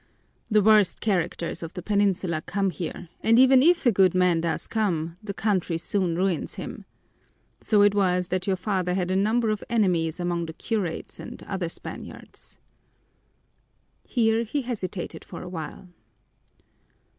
The worst characters of the Peninsula come here, and even if a good man does come, the country soon ruins him. So it was that your father had a number of enemies among the curates and other Spaniards." Here he hesitated for a while.